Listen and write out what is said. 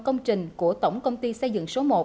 công trình của tổng công ty xây dựng số một